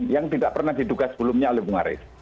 yang tidak pernah diduga sebelumnya oleh bung arief